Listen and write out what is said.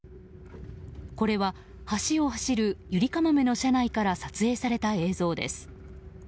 これは、橋を走るゆりかもめの車内から撮影された映像です。